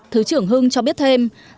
thứ trưởng hưng cho biết thêm